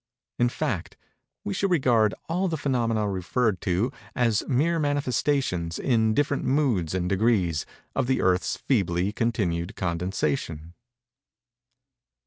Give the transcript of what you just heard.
In fact, we should regard all the phænomena referred to, as mere manifestations, in different moods and degrees, of the Earth's feebly continued condensation.